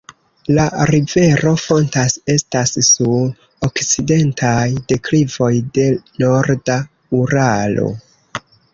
La rivero fontas estas sur okcidentaj deklivoj de Norda Uralo.